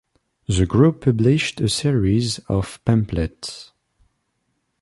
The group published a series of pamphlets.